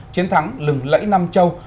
chiến thắng lừng lẫy nam châu